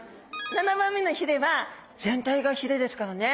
７番目の鰭は全体が鰭ですからね。